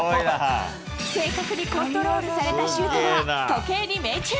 正確にコントロールされたシュートは、時計に命中。